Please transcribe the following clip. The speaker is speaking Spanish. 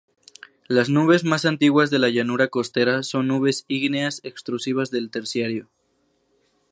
Las nubes más antiguas de la llanura costera son nubes ígneas extrusivas del terciario.